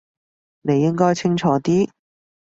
你應該清楚啲